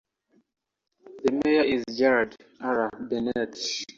The Mayor is Gerald R. Bennett.